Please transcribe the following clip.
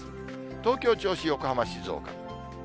東京、銚子、横浜、静岡。